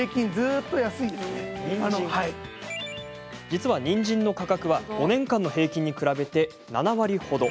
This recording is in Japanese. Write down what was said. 実は、にんじんの価格は５年間の平均に比べて７割ほど。